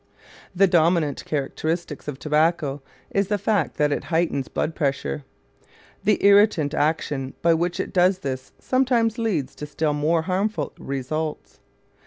The dominant characteristic of tobacco is the fact that it heightens blood pressure. The irritant action by which it does this sometimes leads to still more harmful results.